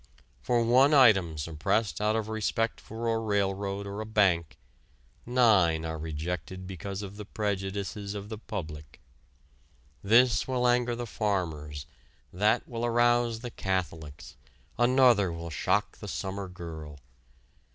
For one item suppressed out of respect for a railroad or a bank, nine are rejected because of the prejudices of the public. This will anger the farmers, that will arouse the Catholics, another will shock the summer girl.